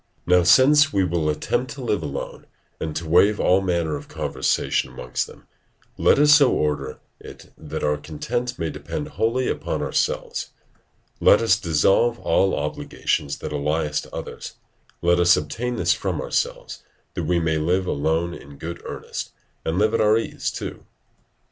Now, since we will attempt to live alone, and to waive all manner of conversation amongst them, let us so order it that our content may depend wholly upon ourselves; let us dissolve all obligations that ally us to others; let us obtain this from ourselves, that we may live alone in good earnest, and live at our ease too.